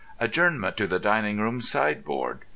Adjournment to the dining room sideboard.